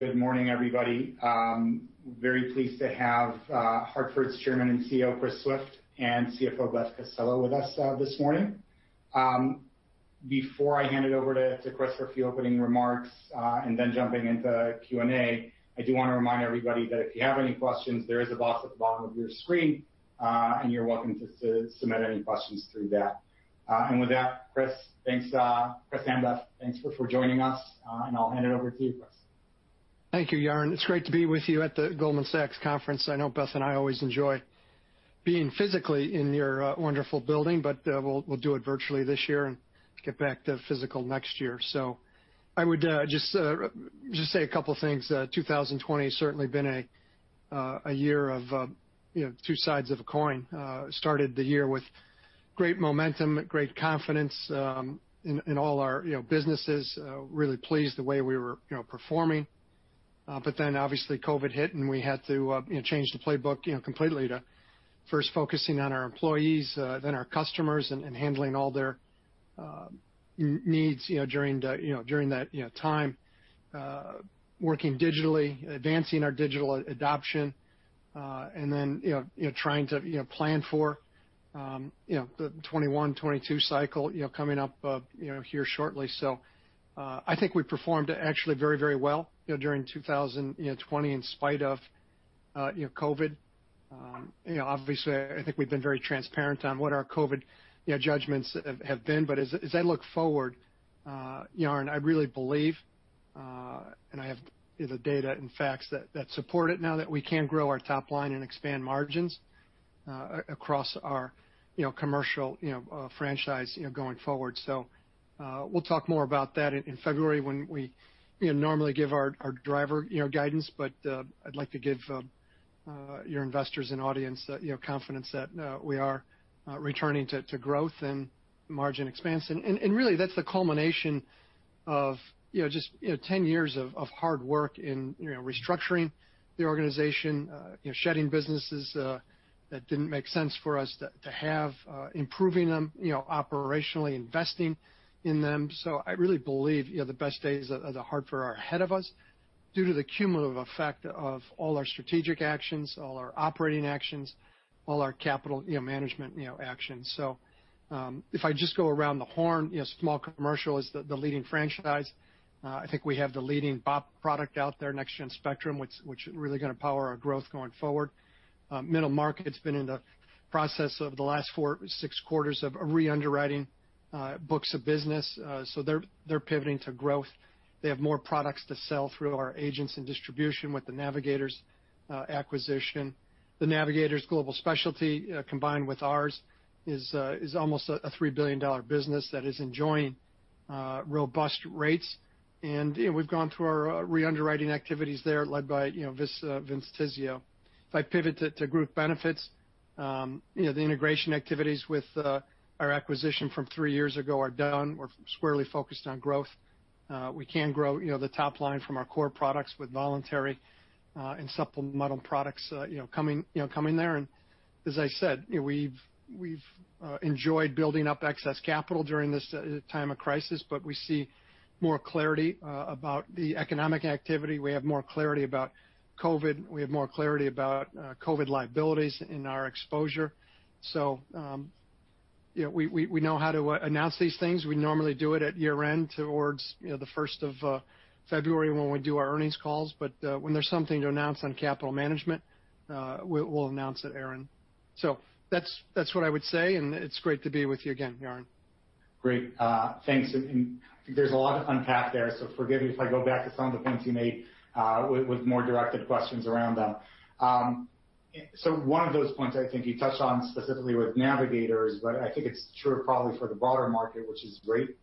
Good morning, everybody. Very pleased to have The Hartford's Chairman and CEO, Chris Swift, and CFO, Beth Bombara, with us this morning. Before I hand it over to Chris for a few opening remarks, then jumping into Q&A, I do want to remind everybody that if you have any questions, there is a box at the bottom of your screen, and you're welcome to submit any questions through that. With that, Chris, thanks. Chris and Beth, thanks for joining us. I'll hand it over to you, Chris. Thank you, Yaron. It's great to be with you at the Goldman Sachs conference. I know Beth and I always enjoy being physically in your wonderful building. We'll do it virtually this year and get back to physical next year. I would just say a couple things. 2020 has certainly been a year of two sides of a coin. Started the year with great momentum, great confidence in all our businesses, really pleased the way we were performing. Obviously COVID hit, and we had to change the playbook completely to first focusing on our employees, then our customers, and handling all their needs during that time. Working digitally, advancing our digital adoption, trying to plan for the 2021, 2022 cycle coming up here shortly. I think we performed actually very well during 2020 in spite of COVID. Obviously, I think we've been very transparent on what our COVID judgments have been. As I look forward, Yaron, I really believe, and I have the data and facts that support it, now that we can grow our top line and expand margins across our commercial franchise going forward. We'll talk more about that in February when we normally give our driver guidance. I'd like to give your investors and audience that confidence that we are returning to growth and margin expansion. Really, that's the culmination of just 10 years of hard work in restructuring the organization, shedding businesses that didn't make sense for us to have, improving them operationally, investing in them. I really believe the best days of The Hartford are ahead of us due to the cumulative effect of all our strategic actions, all our operating actions, all our capital management actions. If I just go around the horn, small commercial is the leading franchise. I think we have the leading BOP product out there, Next Gen Spectrum, which is really going to power our growth going forward. Middle market's been in the process over the last four, six quarters of re-underwriting books of business. They're pivoting to growth. They have more products to sell through our agents and distribution with the Navigators acquisition. The Navigators Global Specialty, combined with ours, is almost a $3 billion business that is enjoying robust rates. We've gone through our re-underwriting activities there led by Vince Tizzio. If I pivot to Group Benefits, the integration activities with our acquisition from three years ago are done. We're squarely focused on growth. We can grow the top line from our core products with voluntary and supplemental products coming there. As I said, we've enjoyed building up excess capital during this time of crisis, but we see more clarity about the economic activity. We have more clarity about COVID. We have more clarity about COVID liabilities in our exposure. We know how to announce these things. We normally do it at year-end towards the 1st of February when we do our earnings calls. When there's something to announce on capital management, we'll announce it, Yaron. That's what I would say, and it's great to be with you again, Yaron. Great. Thanks. I think there's a lot to unpack there, so forgive me if I go back to some of the points you made with more directed questions around them. One of those points I think you touched on specifically with Navigators, but I think it's true probably for the broader market, which is great.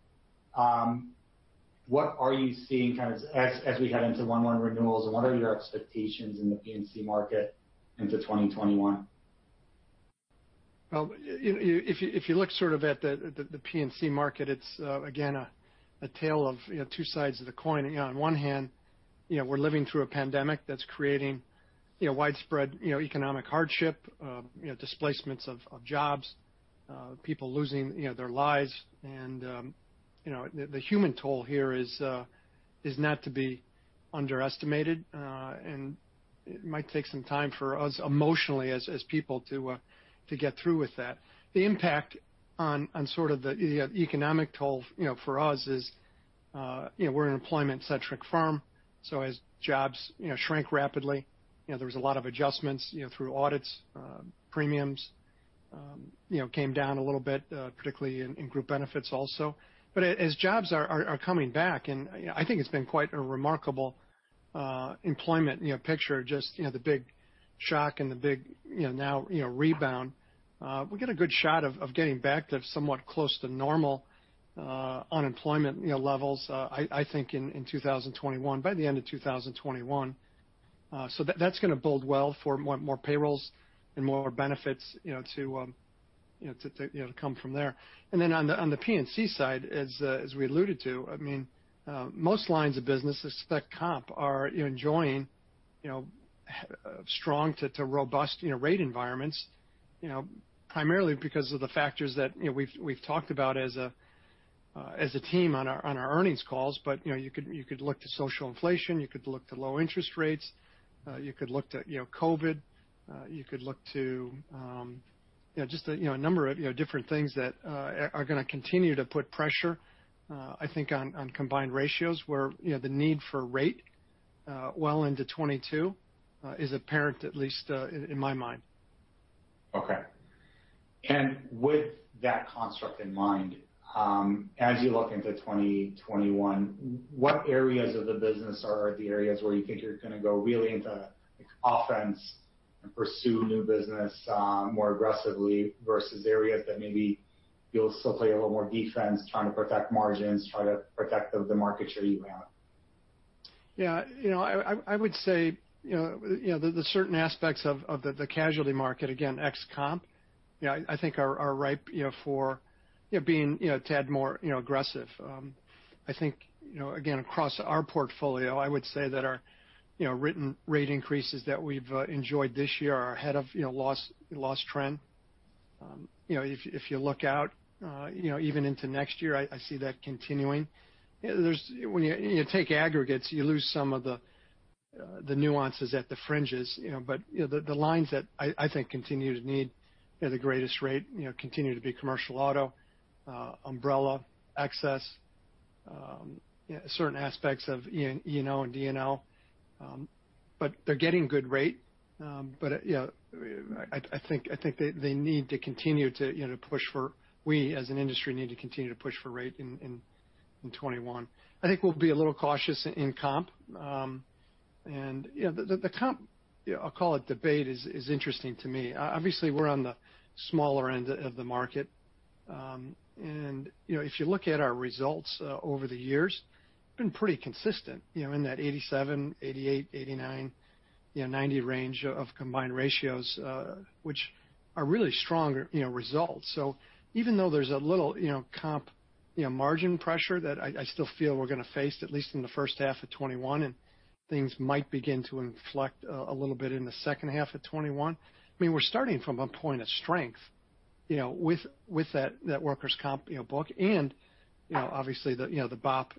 What are you seeing kind of as we head into one renewal, and what are your expectations in the P&C market into 2021? Well, if you look sort of at the P&C market, it's again, a tale of two sides of the coin. On one hand, we're living through a pandemic that's creating widespread economic hardship, displacements of jobs, people losing their lives, and the human toll here is not to be underestimated. It might take some time for us emotionally as people to get through with that. The impact on sort of the economic toll for us is, we're an employment-centric firm. As jobs shrink rapidly, there was a lot of adjustments through audits, premiums came down a little bit, particularly in Group Benefits also. As jobs are coming back, and I think it's been quite a remarkable employment picture, just the big shock and the big now rebound. We'll get a good shot of getting back to somewhat close to normal unemployment levels, I think in 2021, by the end of 2021. That's going to bode well for more payrolls and more benefits to come from there. On the P&C side, as we alluded to, most lines of business, except comp, are enjoying You know, strong to robust rate environments primarily because of the factors that we've talked about as a team on our earnings calls. You could look to social inflation, you could look to low interest rates, you could look to COVID, you could look to just a number of different things that are going to continue to put pressure, I think, on combined ratio where the need for rate well into 2022 is apparent, at least in my mind. Okay. With that construct in mind, as you look into 2021, what areas of the business are the areas where you think you're going to go really into offense and pursue new business more aggressively versus areas that maybe you'll still play a little more defense trying to protect margins, try to protect the market share you have? Yeah. I would say, the certain aspects of the casualty market, again, ex comp, I think are ripe for being a tad more aggressive. I think, again, across our portfolio, I would say that our written rate increases that we've enjoyed this year are ahead of loss trend. If you look out even into next year, I see that continuing. When you take aggregates, you lose some of the nuances at the fringes. The lines that I think continue to need the greatest rate continue to be commercial auto, umbrella, excess, certain aspects of E&O and D&O. They're getting good rate. I think they need to continue to push for We as an industry need to continue to push for rate in 2021. I think we'll be a little cautious in comp. The comp, I'll call it debate, is interesting to me. Obviously, we're on the smaller end of the market. If you look at our results over the years, we've been pretty consistent in that 87, 88, 89, 90 range of combined ratio, which are really strong results. Even though there's a little comp margin pressure that I still feel we're going to face, at least in the first half of 2021, and things might begin to inflect a little bit in the second half of 2021. I mean, we're starting from a point of strength with that workers' comp book and obviously the BOP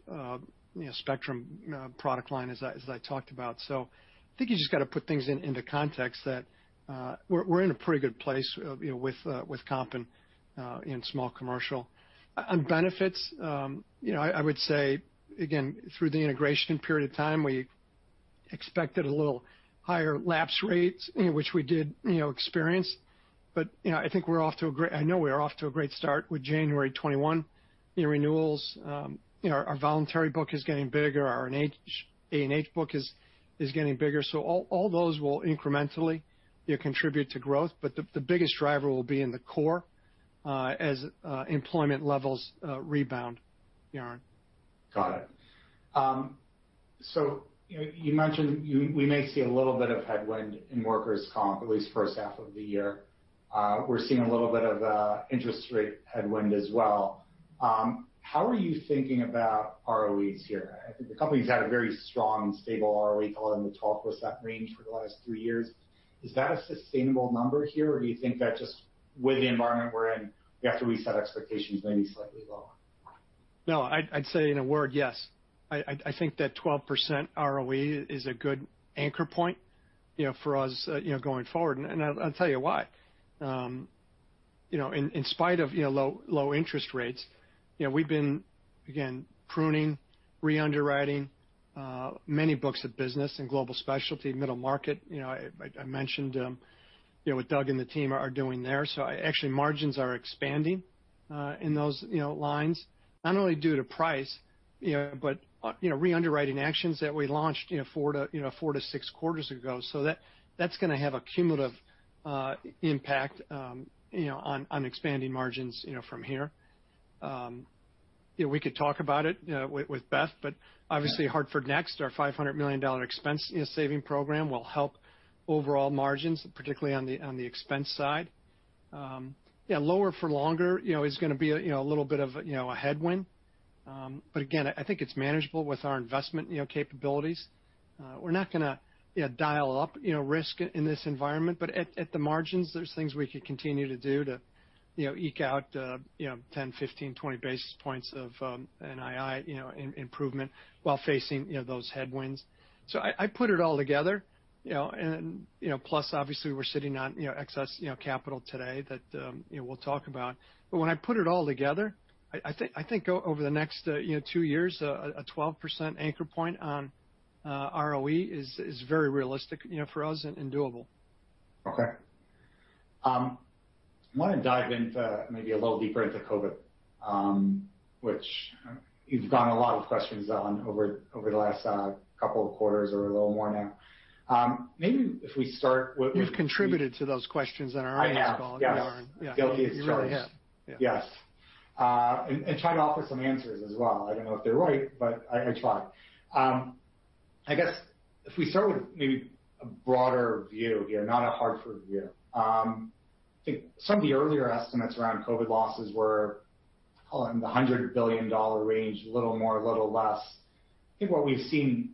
Spectrum product line as I talked about. I think you just got to put things into context that we're in a pretty good place with comp in small commercial. On benefits, I would say, again, through the integration period of time, we expected a little higher lapse rates, which we did experience. I know we're off to a great start with January 2021 in renewals. Our voluntary book is getting bigger. Our A&H book is getting bigger. All those will incrementally contribute to growth. The biggest driver will be in the core as employment levels rebound, Yaron. Got it. You mentioned we may see a little bit of headwind in workers' comp, at least first half of the year. We're seeing a little bit of interest rate headwind as well. How are you thinking about ROEs here? I think the company's had a very strong and stable ROE, call it in the 12% range for the last three years. Is that a sustainable number here, or do you think that just with the environment we're in, we have to reset expectations maybe slightly lower? No, I'd say in a word, yes. I think that 12% ROE is a good anchor point for us going forward. I'll tell you why. In spite of low interest rates, we've been, again, pruning, re-underwriting many books of business in global specialty, middle market. I mentioned what Doug and the team are doing there. Actually margins are expanding in those lines, not only due to price but re-underwriting actions that we launched four to six quarters ago. That's going to have a cumulative impact on expanding margins from here. We could talk about it with Beth, obviously Hartford Next, our $500 million expense saving program will help overall margins, particularly on the expense side. Lower for longer is going to be a little bit of a headwind. Again, I think it's manageable with our investment capabilities. We're not going to dial up risk in this environment. At the margins, there's things we could continue to do to eke out 10, 15, 20 basis points of NII improvement while facing those headwinds. I put it all together, plus obviously we're sitting on excess capital today that we'll talk about. When I put it all together, I think over the next two years, a 12% anchor point on ROE is very realistic for us and doable. Okay. I want to dive maybe a little deeper into COVID, which you've gotten a lot of questions on over the last couple of quarters or a little more now. Maybe if we start with- We've contributed to those questions on our earnings call. I have, yes Yaron. Yeah. Guilty as charged. You really have. Yeah. Yes. Try to offer some answers as well. I don't know if they're right, but I try. I guess if we start with maybe a broader view here, not a Hartford view. I think some of the earlier estimates around COVID losses were call it in the $100 billion range, a little more, a little less. I think what we've seen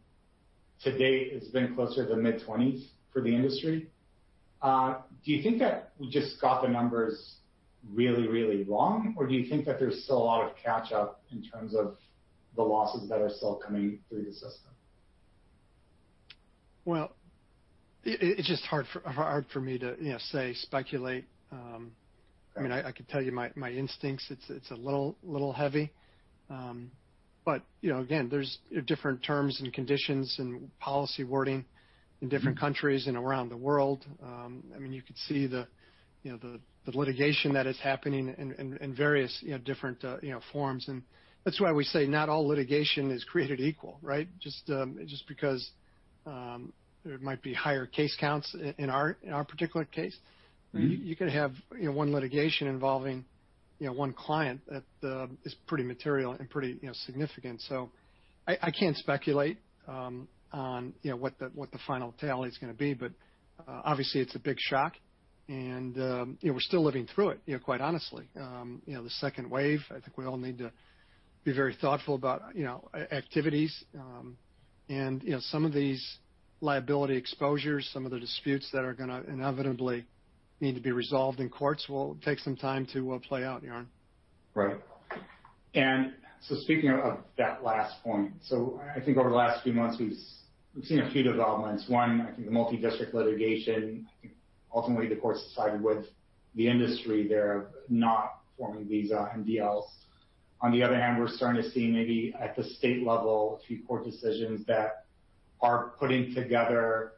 to date has been closer to mid-20s for the industry. Do you think that we just got the numbers really, really wrong? Or do you think that there's still a lot of catch up in terms of the losses that are still coming through the system? It's just hard for me to say, speculate. Right. I could tell you my instincts, it's a little heavy. Again, there's different terms and conditions and policy wording in different countries and around the world. You could see the litigation that is happening in various different forms. That's why we say not all litigation is created equal, right? Just because there might be higher case counts in our particular case. You could have one litigation involving one client that is pretty material and pretty significant. I can't speculate on what the final tally's going to be. Obviously it's a big shock, and we're still living through it, quite honestly. The second wave, I think we all need to be very thoughtful about activities. Some of these liability exposures, some of the disputes that are going to inevitably need to be resolved in courts will take some time to play out, Yaron. Right. Speaking of that last point, I think over the last few months, we've seen a few developments. One, I think the multidistrict litigation, I think ultimately the courts sided with the industry there of not forming these MDL. On the other hand, we're starting to see maybe at the state level, a few court decisions that are putting together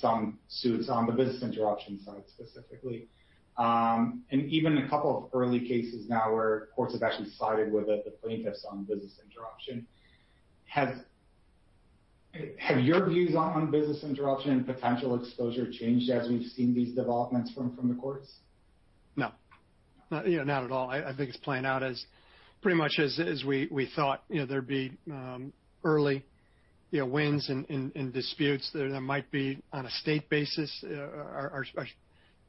some suits on the business interruption side specifically. Even a couple of early cases now where courts have actually sided with the plaintiffs on business interruption. Have your views on business interruption and potential exposure changed as we've seen these developments from the courts? No. Not at all. I think it's playing out as pretty much as we thought. There'd be early wins in disputes that might be on a state basis.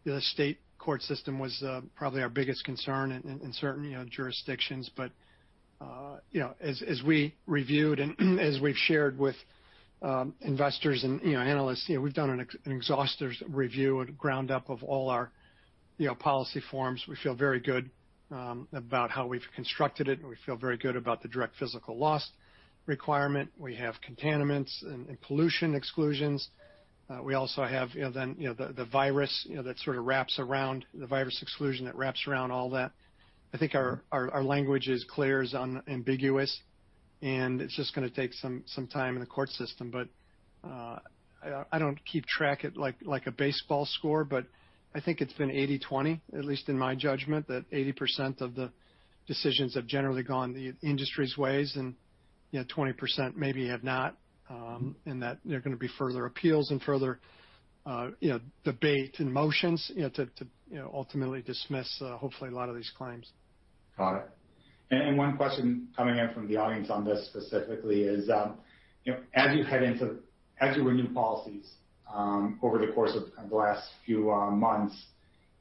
The state court system was probably our biggest concern in certain jurisdictions. As we reviewed and as we've shared with investors and analysts, we've done an exhaustive review and ground up of all our policy forms. We feel very good about how we've constructed it, and we feel very good about the direct physical loss requirement. We have containment and pollution exclusions. We also have the virus exclusion that wraps around all that. I think our language is clear, is unambiguous, and it's just going to take some time in the court system. I don't keep track like a baseball score, but I think it's been 80/20, at least in my judgment, that 80% of the decisions have generally gone the industry's ways and 20% maybe have not. That there are going to be further appeals and further debate and motions to ultimately dismiss hopefully a lot of these claims. Got it. One question coming in from the audience on this specifically is as you renew policies over the course of the last few months,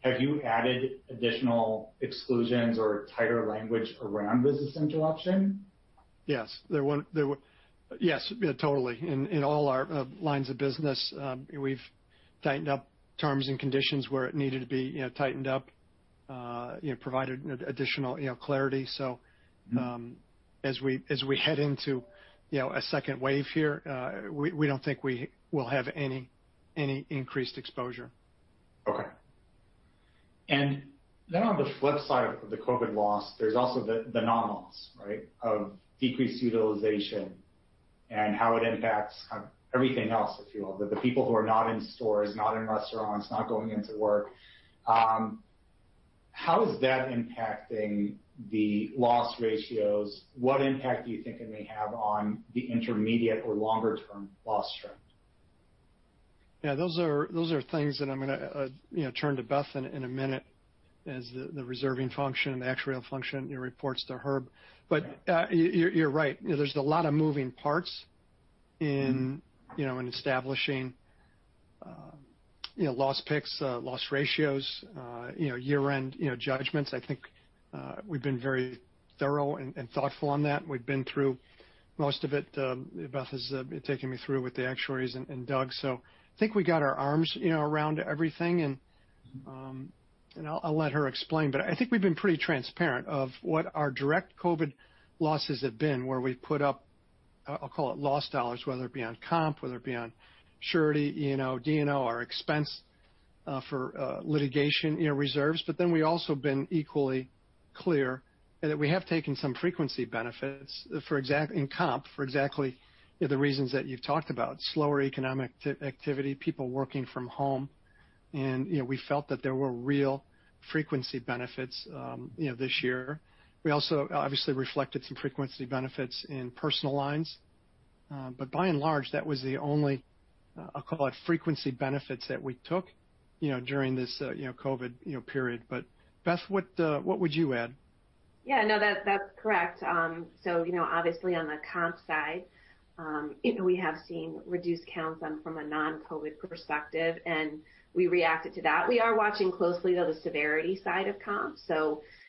have you added additional exclusions or tighter language around business interruption? Yes. Totally. In all our lines of business we've tightened up terms and conditions where it needed to be tightened up, provided additional clarity. As we head into a second wave here, we don't think we will have any increased exposure. Okay. On the flip side of the COVID loss, there's also the non-loss of decreased utilization and how it impacts everything else, if you will. The people who are not in stores, not in restaurants, not going into work. How is that impacting the loss ratios? What impact do you think it may have on the intermediate or longer-term loss trend? Yeah, those are things that I'm going to turn to Beth in a minute as the reserving function and the actuarial function reports to Herb. You're right. There's a lot of moving parts in establishing loss picks, loss ratios, year-end judgments. I think we've been very thorough and thoughtful on that. We've been through most of it. Beth has been taking me through with the actuaries and Doug. I think we got our arms around everything. I'll let her explain, I think we've been pretty transparent of what our direct COVID losses have been, where we've put up, I'll call it $ loss dollars, whether it be on comp, whether it be on surety, E&O, D&O, or expense for litigation reserves. We also been equally clear that we have taken some frequency benefits in comp for exactly the reasons that you've talked about. Slower economic activity, people working from home, we felt that there were real frequency benefits this year. We also obviously reflected some frequency benefits in personal lines. By and large, that was the only, I'll call it frequency benefits that we took during this COVID period. Beth, what would you add? Yeah. No, that's correct. Obviously on the comp side, we have seen reduced counts from a non-COVID perspective, we reacted to that. We are watching closely, though, the severity side of comp.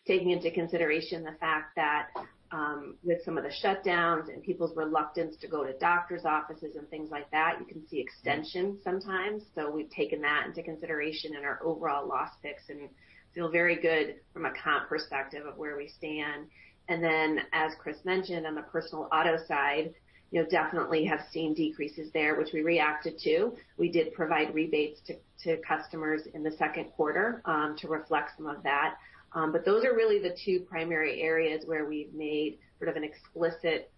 Taking into consideration the fact that with some of the shutdowns and people's reluctance to go to doctor's offices and things like that, you can see extension sometimes. We've taken that into consideration in our overall loss picks and feel very good from a comp perspective of where we stand. As Chris mentioned, on the personal auto side, definitely have seen decreases there, which we reacted to. We did provide rebates to customers in the second quarter to reflect some of that. Those are really the two primary areas where we've made sort of an explicit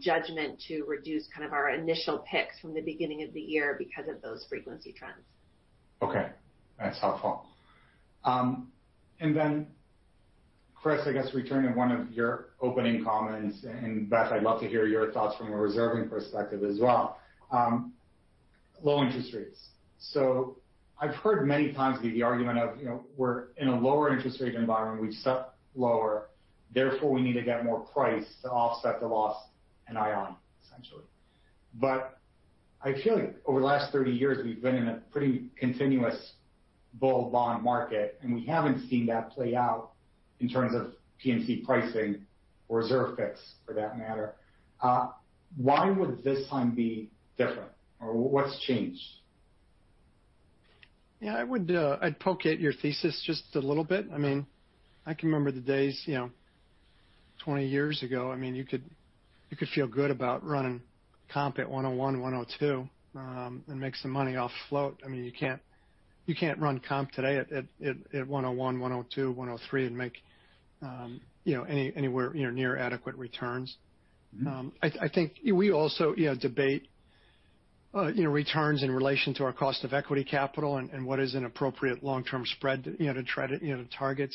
judgment to reduce our initial picks from the beginning of the year because of those frequency trends. That's helpful. Chris, I guess returning to one of your opening comments, Beth, I'd love to hear your thoughts from a reserving perspective as well. Low interest rates. I've heard many times the argument of, we're in a lower interest rate environment, we've set lower, therefore we need to get more price to offset the loss in yield, essentially. I feel like over the last 30 years, we've been in a pretty continuous bull bond market, and we haven't seen that play out in terms of P&C pricing or reserve fix for that matter. Why would this time be different? What's changed? I'd poke at your thesis just a little bit. I can remember the days 20 years ago, you could feel good about running comp at 101, 102, and make some money off float. You can't run comp today at 101, 102, 103 and make anywhere near adequate returns. I think we also debate returns in relation to our cost of equity capital and what is an appropriate long-term spread to try to target.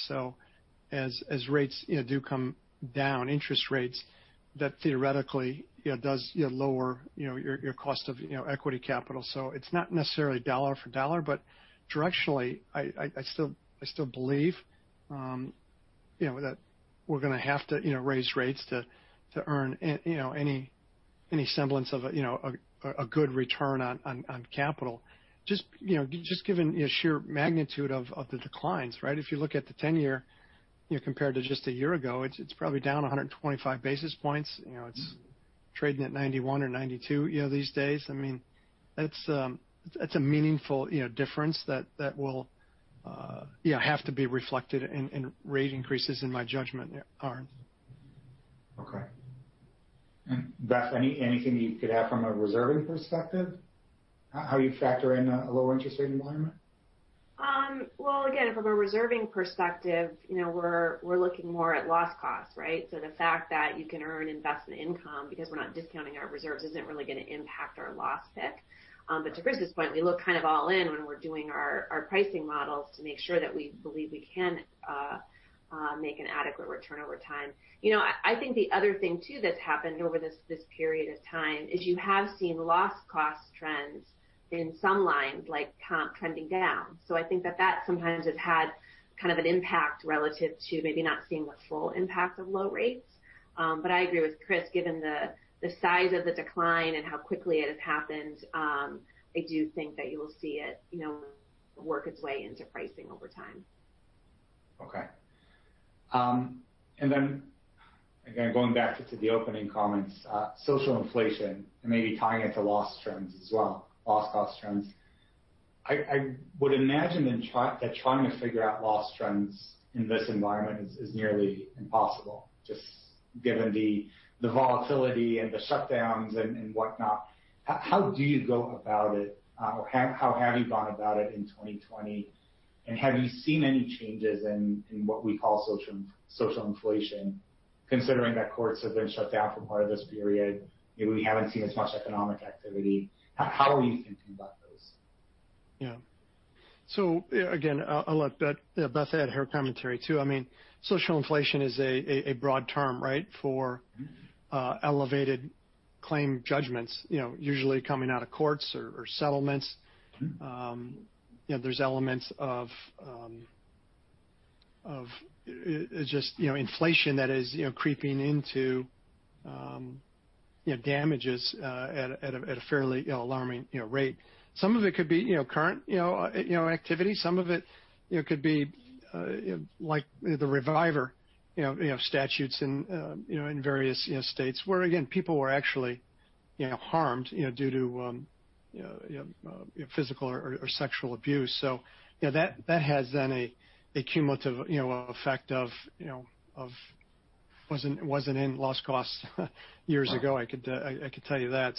As rates do come down, interest rates, that theoretically does lower your cost of equity capital. It's not necessarily dollar for dollar, but directionally, I still believe that we're going to have to raise rates to earn any semblance of a good return on capital. Just given the sheer magnitude of the declines, right? If you look at the 10-year compared to just a year ago, it's probably down 125 basis points. It's trading at 91 or 92 these days. That's a meaningful difference that will have to be reflected in rate increases, in my judgment, they arent'. Okay. Beth, anything you could add from a reserving perspective? How you factor in a low interest rate environment? Well, again, from a reserving perspective, we're looking more at loss costs, right? The fact that you can earn investment income because we're not discounting our reserves isn't really going to impact our loss pick. To Chris's point, we look all in when we're doing our pricing models to make sure that we believe we can make an adequate return over time. I think the other thing, too, that's happened over this period of time is you have seen loss cost trends in some lines like comp trending down. I think that that sometimes has had an impact relative to maybe not seeing the full impact of low rates. I agree with Chris, given the size of the decline and how quickly it has happened, I do think that you will see it work its way into pricing over time. Okay. Again, going back to the opening comments, social inflation and maybe tying it to loss trends as well, loss cost trends. I would imagine that trying to figure out loss trends in this environment is nearly impossible, just given the volatility and the shutdowns and whatnot. How do you go about it? How have you gone about it in 2020? Have you seen any changes in what we call social inflation, considering that courts have been shut down for part of this period, maybe we haven't seen as much economic activity. How are you thinking about those? Yeah. Again, I'll let Beth add her commentary, too. Social inflation is a broad term, right? elevated claim judgments, usually coming out of courts or settlements. There's elements of just inflation that is creeping into damages at a fairly alarming rate. Some of it could be current activities. Some of it could be like the reviver statutes in various states where, again, people were actually harmed due to physical or sexual abuse. That has then a cumulative effect of wasn't in loss costs years ago, I could tell you that.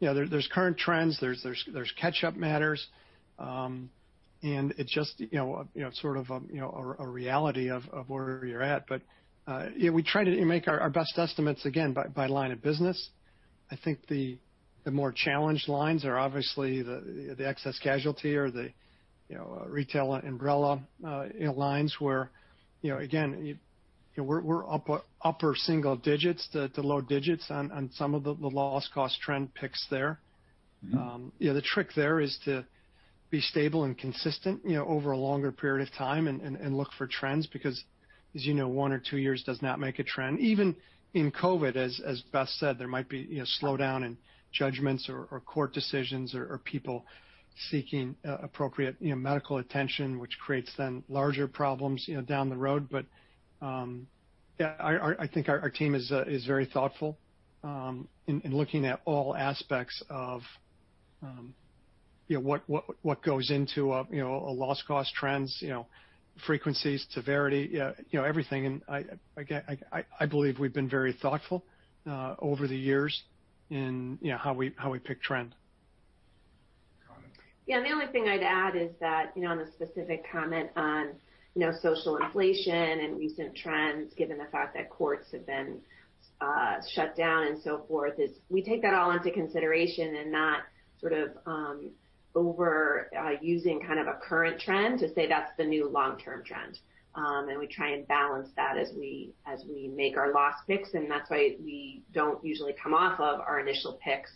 There's current trends, there's catch-up matters. It's just a reality of where you're at. We try to make our best estimates, again, by line of business. I think the more challenged lines are obviously the excess casualty or the retail umbrella lines where, again, we're upper single digits to low digits on some of the loss cost trend picks there. The trick there is to be stable and consistent over a longer period of time and look for trends, because as you know, one or two years does not make a trend. Even in COVID, as Beth said, there might be a slowdown in judgments or court decisions or people seeking appropriate medical attention, which creates then larger problems down the road. I think our team is very thoughtful in looking at all aspects of what goes into a loss cost trends, frequencies, severity, everything. I believe we've been very thoughtful over the years in how we pick trend. Got it. Yeah. The only thing I'd add is that on the specific comment on social inflation and recent trends, given the fact that courts have been shut down and so forth, is we take that all into consideration and not sort of over using kind of a current trend to say that's the new long-term trend. We try and balance that as we make our loss picks, and that's why we don't usually come off of our initial picks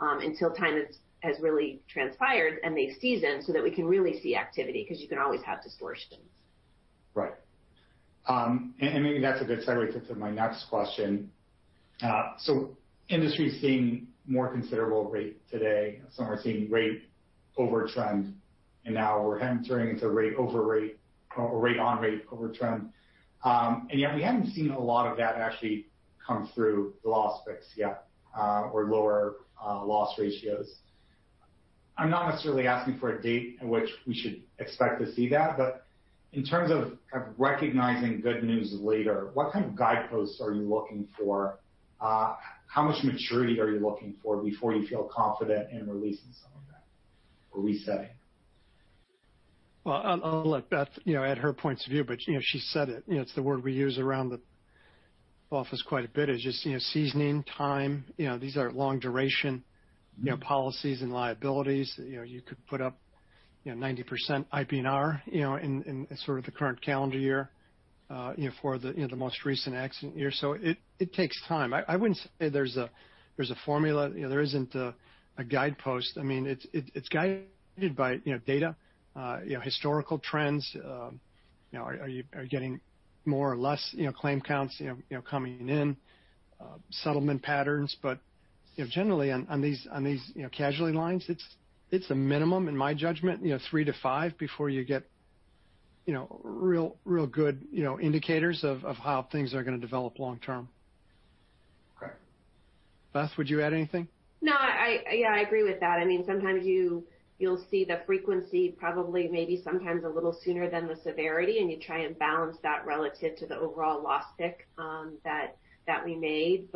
until time has really transpired, and they've seasoned so that we can really see activity, because you can always have distortions. Right. Maybe that's a good segue to my next question. Industry's seeing more considerable rate today. Some are seeing rate over trend, and now we're entering into rate on rate over trend. Yet we haven't seen a lot of that actually come through the loss picks yet or lower loss ratios. I'm not necessarily asking for a date in which we should expect to see that, but in terms of recognizing good news later, what kind of guideposts are you looking for? How much maturity are you looking for before you feel confident in releasing some of that or resetting? Well, I'll let Beth add her points of view, but she said it. It's the word we use around the office quite a bit, is just seasoning, time. These are long-duration policies and liabilities. You could put up 90% IBNR in sort of the current calendar year for the most recent accident year. It takes time. I wouldn't say there's a formula, there isn't a guidepost. It's guided by data, historical trends. Are you getting more or less claim counts coming in? Settlement patterns. Generally, on these casualty lines, it's a minimum, in my judgment, three to five before you get real good indicators of how things are going to develop long term. Okay. Beth, would you add anything? No, I agree with that. Sometimes you'll see the frequency probably, maybe sometimes a little sooner than the severity, and you try and balance that relative to the overall loss pick that we made.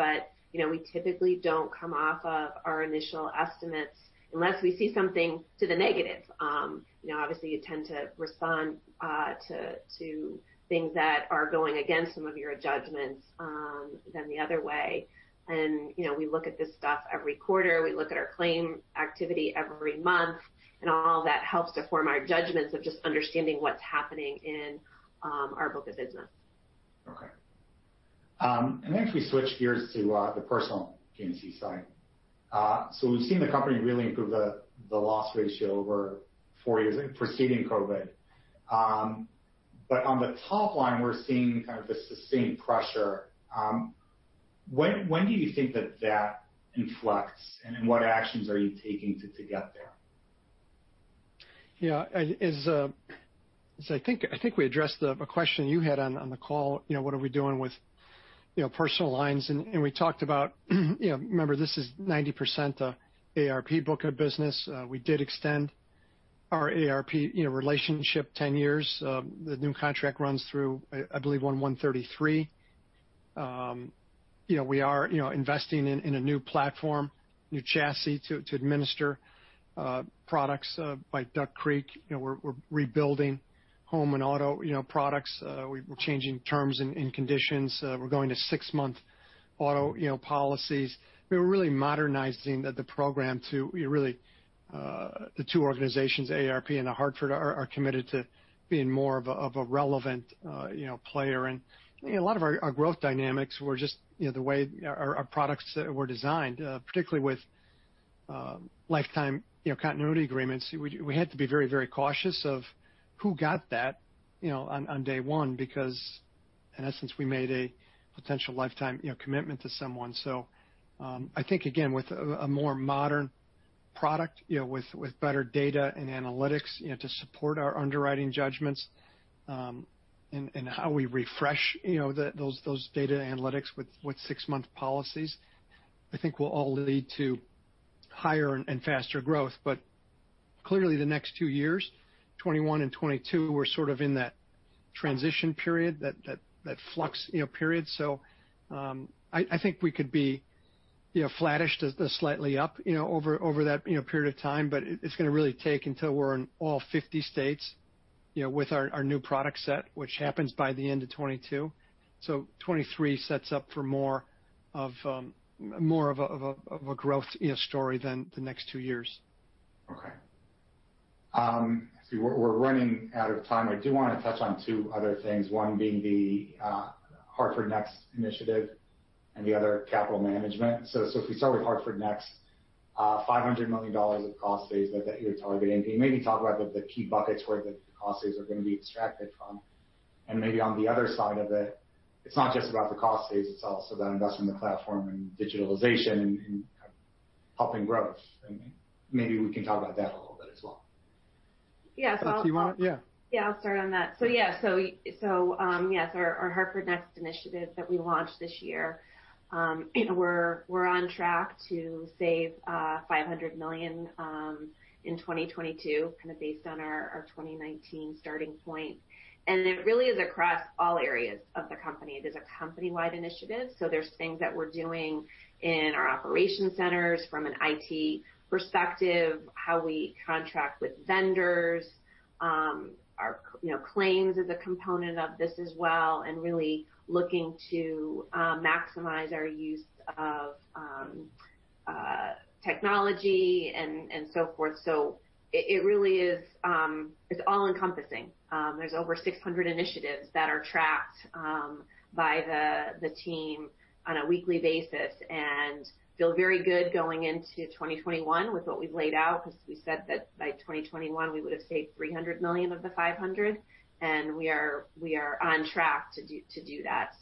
We typically don't come off of our initial estimates unless we see something to the negative. Obviously, you tend to respond to things that are going against some of your judgments than the other way. We look at this stuff every quarter. We look at our claim activity every month, and all that helps to form our judgments of just understanding what's happening in our book of business. Okay. Next we switch gears to the personal P&C side. We've seen the company really improve the loss ratio over four years preceding COVID. On the top line, we're seeing kind of the sustained pressure. When do you think that that inflects, and what actions are you taking to get there? Yeah. I think we addressed a question you had on the call, what are we doing with personal lines, and we talked about, remember, this is 90% AARP book of business. We did extend our AARP relationship 10 years. The new contract runs through, I believe, 1/1/2033. We are investing in a new platform, new chassis to administer products by Duck Creek. We're rebuilding home and auto products. We're changing terms and conditions. We're going to six-month auto policies. We're really modernizing the program to really The two organizations, AARP and The Hartford, are committed to being more of a relevant player. A lot of our growth dynamics were just the way our products were designed, particularly with lifetime continuity agreements. We had to be very cautious of who got that on day one, because in essence, we made a potential lifetime commitment to someone. I think, again, with a more modern product, with better data and analytics to support our underwriting judgments, and how we refresh those data analytics with six-month policies, I think will all lead to higher and faster growth. Clearly the next two years, 2021 and 2022, we're sort of in that transition period, that flux period. I think we could be flattish to slightly up over that period of time, but it's going to really take until we're in all 50 states with our new product set, which happens by the end of 2022. 2023 sets up for more of a growth story than the next two years. We're running out of time. I do want to touch on two other things, one being the Hartford Next initiative and the other capital management. If we start with Hartford Next, $500 million of cost saves that you're targeting. Can you maybe talk about the key buckets where the cost saves are going to be extracted from? Maybe on the other side of it's not just about the cost saves, it's also about investing in the platform and digitalization and helping growth. Maybe we can talk about that a little bit as well. Yes. Do you want Yeah. Yeah, I'll start on that. Yes, our Hartford Next initiative that we launched this year, we're on track to save $500 million in 2022, kind of based on our 2019 starting point. It really is across all areas of the company. It is a company-wide initiative, so there's things that we're doing in our operation centers from an IT perspective, how we contract with vendors. Claims is a component of this as well, and really looking to maximize our use of technology and so forth. It really is all-encompassing. There's over 600 initiatives that are tracked by the team on a weekly basis and feel very good going into 2021 with what we've laid out, because we said that by 2021 we would've saved $300 million of the $500 million, and we are on track to do that.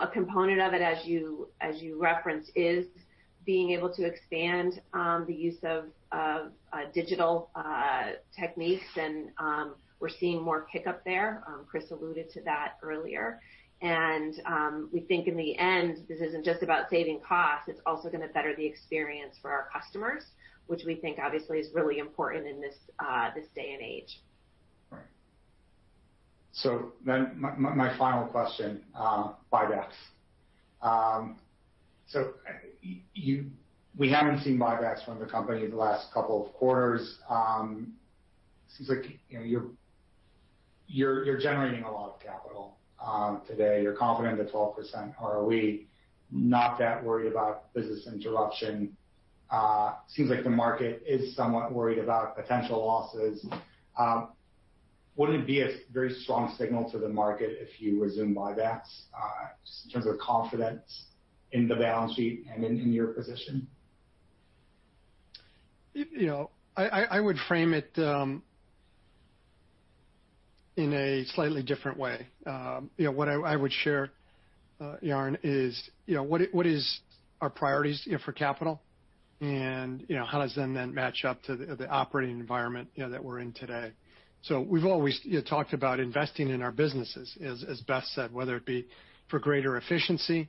A component of it, as you referenced, is being able to expand the use of digital techniques, and we're seeing more pick up there. Chris alluded to that earlier. We think in the end, this isn't just about saving costs, it's also going to better the experience for our customers, which we think obviously is really important in this day and age. Right. My final question, buybacks. We haven't seen buybacks from the company in the last couple of quarters. It seems like you're generating a lot of capital today. You're confident at 12% ROE, not that worried about business interruption. It seems like the market is somewhat worried about potential losses. Would it be a very strong signal to the market if you resume buybacks, just in terms of confidence in the balance sheet and in your position? I would frame it in a slightly different way. What I would share, Yaron, is what is our priorities for capital, and how does then that match up to the operating environment that we're in today? We've always talked about investing in our businesses, as Beth said, whether it be for greater efficiency,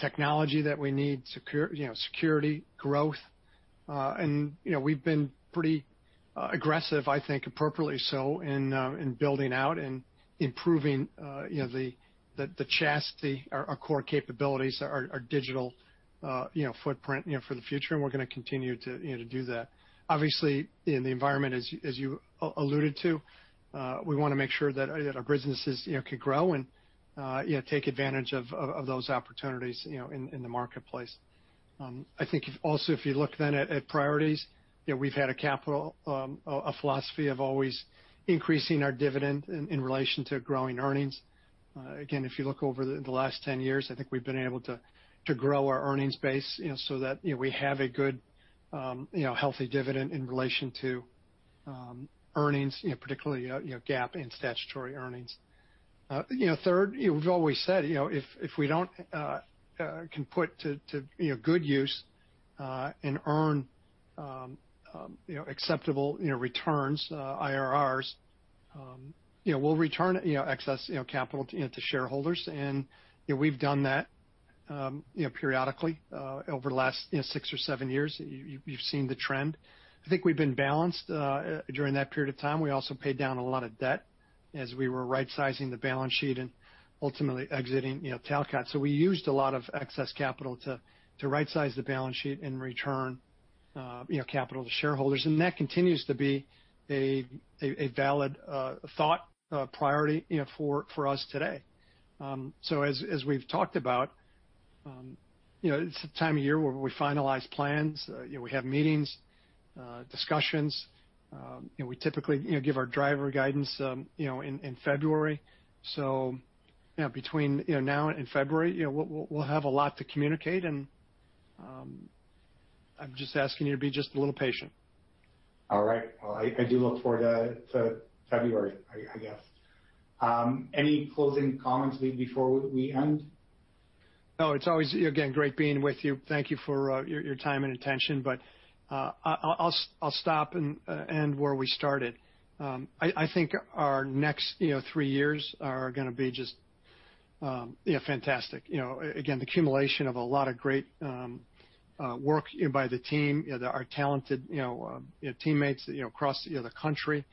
technology that we need, security, growth. We've been pretty aggressive, I think appropriately so, in building out and improving our core capabilities, our digital footprint for the future, and we're going to continue to do that. Obviously, in the environment as you alluded to, we want to make sure that our businesses can grow and take advantage of those opportunities in the marketplace. I think also if you look then at priorities, we've had a philosophy of always increasing our dividend in relation to growing earnings. Again, if you look over the last 10 years, I think we've been able to grow our earnings base so that we have a good, healthy dividend in relation to earnings, particularly GAAP and statutory earnings. Third, we've always said if we can put to good use, and earn acceptable returns, IRRs, we'll return excess capital to shareholders. We've done that periodically over the last six or seven years. You've seen the trend. I think we've been balanced during that period of time. We also paid down a lot of debt as we were rightsizing the balance sheet and ultimately exiting Talcott. We used a lot of excess capital to rightsize the balance sheet and return capital to shareholders, and that continues to be a valid thought priority for us today. As we've talked about, it's the time of year where we finalize plans. We have meetings, discussions. We typically give our driver guidance in February. Between now and February, we'll have a lot to communicate, and I'm just asking you to be just a little patient. All right. Well, I do look forward to February, I guess. Any closing comments before we end? No, it's always, again, great being with you. Thank you for your time and attention. I'll stop and end where we started. I think our next three years are going to be just fantastic. Again, the accumulation of a lot of great work by the team, our talented teammates across the country,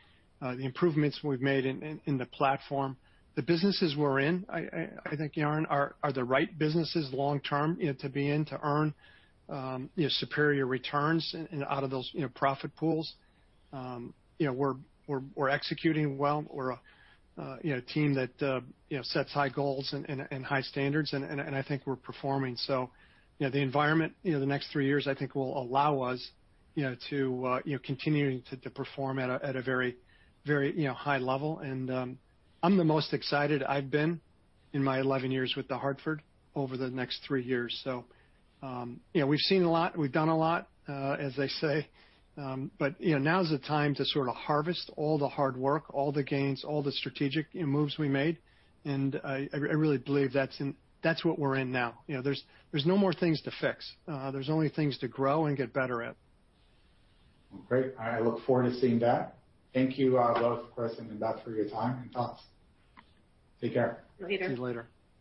the improvements we've made in the platform. The businesses we're in, I think, Yaron, are the right businesses long term to be in to earn superior returns out of those profit pools. We're executing well. We're a team that sets high goals and high standards, and I think we're performing. The environment the next three years, I think, will allow us to continuing to perform at a very high level. I'm the most excited I've been in my 11 years with The Hartford over the next three years. We've seen a lot, we've done a lot, as they say. Now's the time to sort of harvest all the hard work, all the gains, all the strategic moves we made. I really believe that's what we're in now. There's no more things to fix. There's only things to grow and get better at. Great. I look forward to seeing that. Thank you both, Chris and Beth, for your time and thoughts. Take care. Later. See you later.